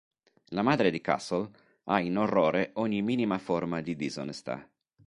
La madre di Castle ha in orrore ogni minima forma di disonestà.